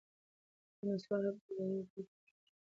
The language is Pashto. د نسوارو کډه یې بېرته کښېناوه.